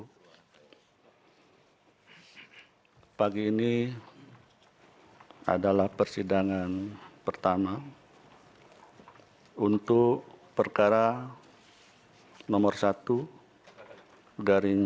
hai pagi ini adalah persidangan pertama untuk perkara nomor satu dari